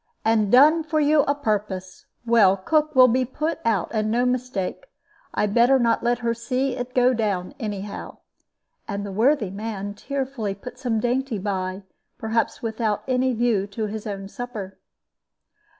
and done for you a purpose! Well, cook will be put out, and no mistake! I better not let her see it go down, anyhow." And the worthy man tearfully put some dainty by, perhaps without any view to his own supper.